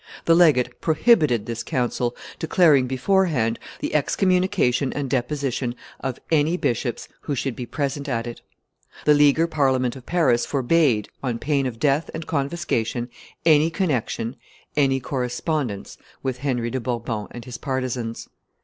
The legate prohibited this council, declaring, beforehand, the excommunication and deposition of any bishops who should be present at it. The Leaguer Parliament of Paris forbade, on pain of death and confiscation, any connection, any correspondence, with Henry de Bourbon and his partisans.